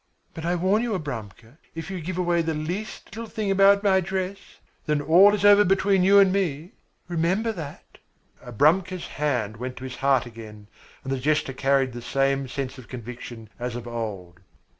"But I warn you, Abramka, if you give away the least little thing about my dress, then all is over between you and me. Remember that." Abramka's hand went to his heart again, and the gesture carried the same sense of conviction as of old.